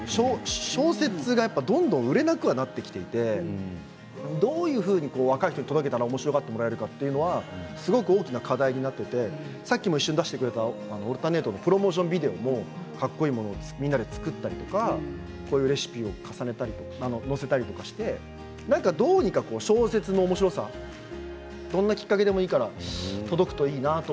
小説が、やっぱりどんどん売れなくはなってきていてどういうふうに若い人に届けたらおもしろがってもらえるかというのはすごく大きな課題になっていてさっきも一瞬出してくれた「オルタネート」のプロモーションビデオもかっこいいものをみんなで作ったりとかこういうレシピを載せたりどうにか小説のおもしろさどんな形でもいいから届くといいなと。